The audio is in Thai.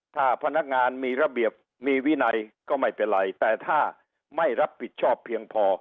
ถ้าพนักงานมีระเบียบมีวินัยก็ไม่เป็นไรแต่ถ้าไม่รับผิดชอบเพียงพอ